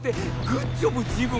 グッジョブ自分。